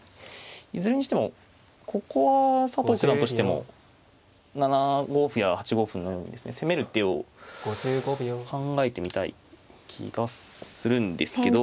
いずれにしてもここは佐藤九段としても７五歩や８五歩のようにですね攻める手を考えてみたい気がするんですけど。